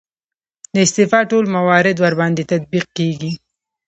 د استعفا ټول موارد ورباندې تطبیق کیږي.